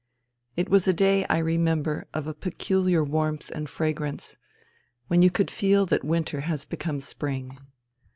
IX It was a day, I remember, of a pecuHar warmth and fragrance, when you could feel that winter has become spring.